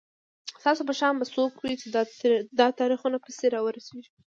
ستاسو په شان به څوک وي چي دا تاریخونه پسي راوسپړي